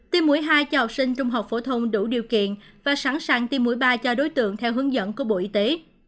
tiêm mũi hai cho học sinh trung học phổ thông đủ điều kiện và sẵn sàng tiêm mũi ba cho đối tượng theo hướng dẫn của bộ y tế